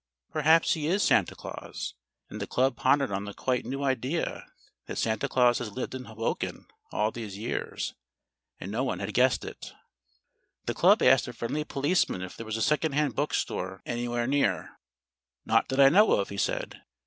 Perhaps he is Santa Claus, and the club pondered on the quite new idea that Santa Claus has lived in Hoboken all these years and no one had guessed it. The club asked a friendly policeman if there were a second hand bookstore anywhere near. "Not that I know of," he said.